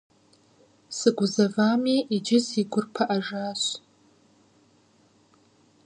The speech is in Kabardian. Сыгузэвами, иджы си гур пыӀэжащ.